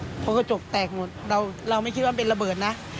เพราะกระจกแตกหมดเราไม่คิดว่ามันเป็นระเบิดนะ